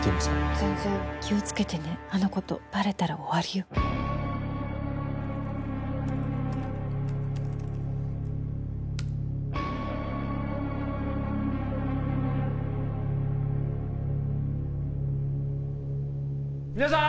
全然気をつけてねあのことバレたら終わりよ皆さん